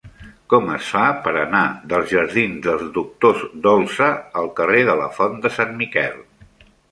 Com es fa per anar dels jardins dels Doctors Dolsa al carrer de la Font de Sant Miquel?